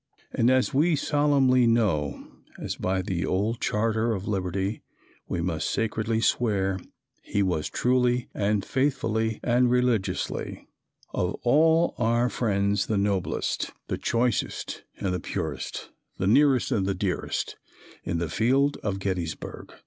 And as we solemnly know, as by the old charter of liberty we most sacredly swear, he was truly and faithfully and religiously Of all our friends the noblest, The choicest and the purest, The nearest and the dearest, In the field at Gettysburg.